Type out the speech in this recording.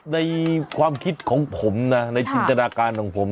ในความคิดของผมนะในจินตนาการของผม